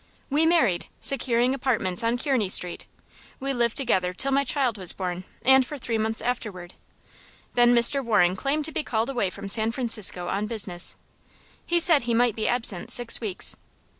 "We married, securing apartments on Kearney Street. We lived together till my child was born, and for three months afterward. Then Mr. Waring claimed to be called away from San Francisco on business. He said he might be absent six weeks.